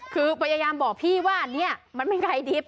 คือพยายามบอกพี่ว่าเนี่ยมันไม่ไกลดิบ